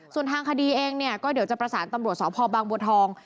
ส่วนทางคดีเองเนี่ยก็เดี๋ยวจะประสานตำรวจสพบางบัวทอง